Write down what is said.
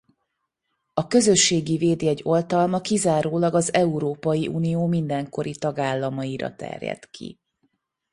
A közösségi védjegy oltalma kizárólag az Európai Unió mindenkori tagállamaira terjed ki.